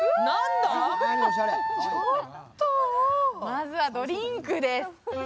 まずはドリンクです。